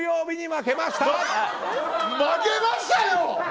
負けましたよ！